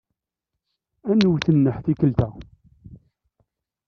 Ad nwet nneḥ tikkelt-a.